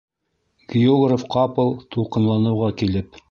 Географ ҡапыл тулҡынланыуға килеп: